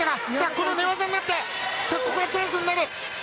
この寝技になってここはチャンスになる。